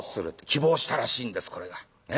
希望したらしいんですこれが。